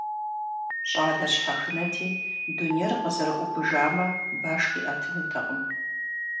ЩӀалэр щхьэхынэти, дунейр къызэрыӀубэжамэ, баш къиӀэтынутэкъым.